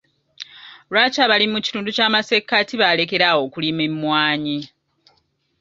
Lwaki abalimi mu kitundu ky'amassekkati baalekeraawo okulima emmwanyi?